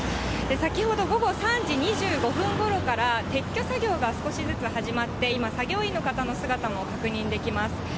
先ほど午後３時２５分ごろから撤去作業が少しずつ始まって、今、作業員の方の姿も確認できます。